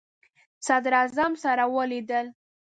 صدراعظم سره ولیدل.